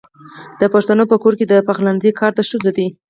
د پښتنو په کور کې د پخلنځي کار د ښځو دی.